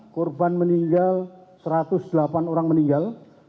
korban meninggal satu ratus delapan orang meninggal